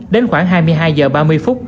đến khoảng hai mươi hai h ba mươi